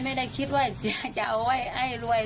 ไม่ได้คิดว่าเจ๊จะเอาไว้ให้รวย